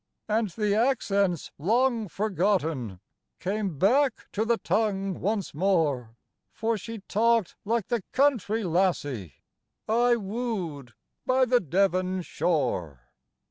" And the accents, long forgotten, Came back to the tongue once more. For she talked like the country lassie I woo'd by the Devon shore.